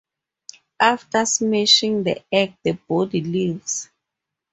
After smashing the egg the boy leaves.